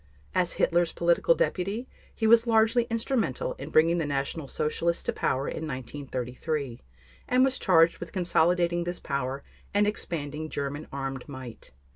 As Hitler's political deputy he was largely instrumental in bringing the National Socialists to power in 1933, and was charged with consolidating this power and expanding German armed might.